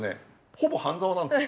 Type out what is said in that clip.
ほぼ「半沢」なんですよ。